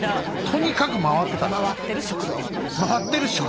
とにかく回ってたと。